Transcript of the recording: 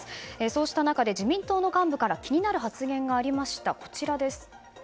そうした中で、自民党の幹部から気になる発言がありました。